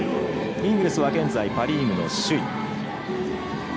イーグルスは現在パ・リーグの首位。